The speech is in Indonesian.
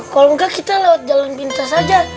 kalau enggak kita lewat jalan pintas saja